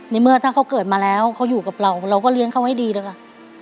เมื่อถ้าเขาเกิดมาแล้วเขาอยู่กับเราเราก็เลี้ยงเขาให้ดีเลยค่ะ